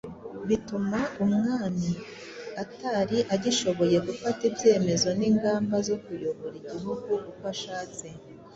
Bituma umwami atari agishoboye gufata ibyemezo n'ingamba zo kuyobora igihugu uko ashatse.